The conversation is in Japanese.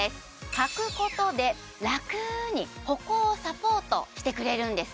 はくことでラクに歩行をサポートしてくれるんです